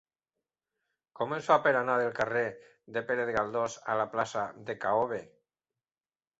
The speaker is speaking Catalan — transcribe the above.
Com es fa per anar del carrer de Pérez Galdós a la plaça de K-obe?